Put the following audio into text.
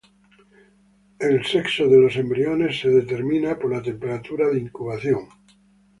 El sexo de los embriones es determinado por la temperatura de incubación.